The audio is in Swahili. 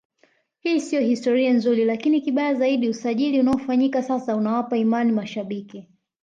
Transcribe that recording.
Hii sio historia nzuri lakini kibaya zaidi usajili unaofanyika sasa unawapa imani mashabiki